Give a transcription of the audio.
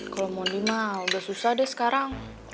kalo mondi mah udah susah deh sekarang